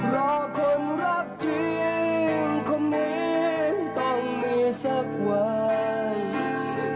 รอคนรักจริงคนนี้ต้องมีสักวัน